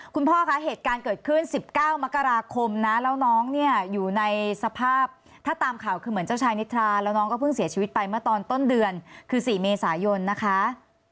พ่อคะเหตุการณ์เกิดขึ้น๑๙มกราคมนะแล้วน้องเนี่ยอยู่ในสภาพถ้าตามข่าวคือเหมือนเจ้าชายนิทราแล้วน้องก็เพิ่งเสียชีวิตไปเมื่อตอนต้นเดือนคือ๔เมษายนนะคะ